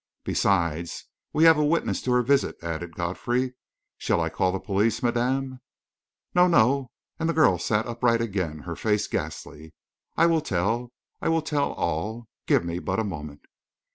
"Besides, we have a witness to her visit," added Godfrey. "Shall I call the police, madame?" "No, no!" and the girl sat upright again, her face ghastly. "I will tell. I will tell all. Give me but a moment!"